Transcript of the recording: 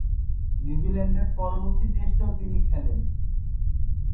নিউজিল্যান্ডের পরবর্তী টেস্টেও তিনি খেলেন।